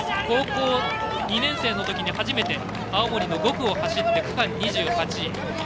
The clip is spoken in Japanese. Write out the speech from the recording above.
高校２年生のときに初めて青森の５区を走って区間２８位。